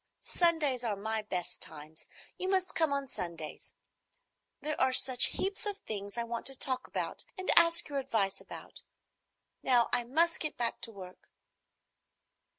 "Sundays are my best times. You must come on Sundays. There are such heaps of things I want to talk about and ask your advice about. Now I must get back to work."